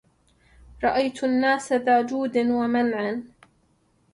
رأيت الناس ذا جود ومنع